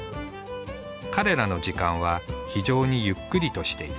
彼らの時間は非常にゆっくりとしている。